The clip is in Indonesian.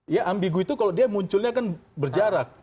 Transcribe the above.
ya ambigu itu kalau dia munculnya kan berjarak